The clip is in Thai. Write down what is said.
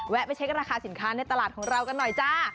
ไปเช็คราคาสินค้าในตลาดของเรากันหน่อยจ้า